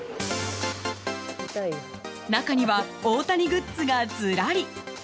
中には大谷グッズがずらり。